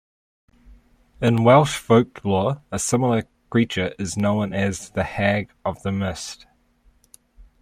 In Welsh folklore, a similar creature is known as the hag of the mist.